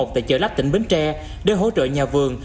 tại chợ lách tỉnh bến tre để hỗ trợ nhà vườn